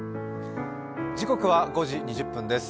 時刻は５時２０分です。